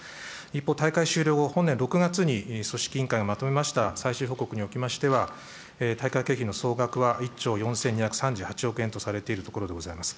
一方、大会終了後、本年６月に組織委員会がまとめました最終報告におきましては、大会経費の総額は１兆４２３８億円とされているところでございます。